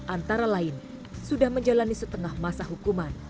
antara lain sudah menjalani setengah masa hukuman